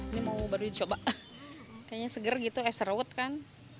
ini baru mau dicoba kayaknya seger gitu es rawut kan